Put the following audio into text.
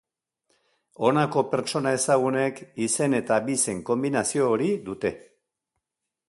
Honako pertsona ezagunek izen eta abizen konbinazio hori dute.